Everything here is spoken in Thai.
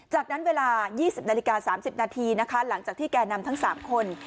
จากนั้นเวลา๒๐นาฬิกา๓๐นาทีนะคะหลังจากที่แก่นำทั้ง๓คน